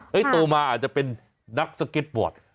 โตมาอาจจะเป็นนักสเก็ตบอร์ด